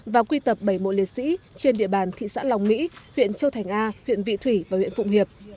và quy tập bảy mộ liệt sĩ trên địa bàn thị xã lòng mỹ huyện châu thành a huyện vị thủy và huyện phụng hiệp